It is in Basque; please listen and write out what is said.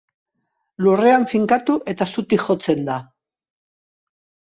Lurrean finkatu eta zutik jotzen da.